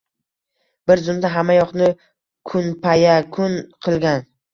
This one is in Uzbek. Bir zumda hammayoqni kunpayakun qilgan.